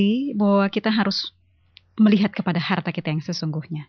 tapi bahwa kita harus melihat kepada harta kita yang sesungguhnya